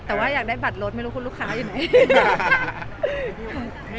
แต่ว่าอยากได้บัตรรถไม่รู้คุณลูกค้าอยู่ไหน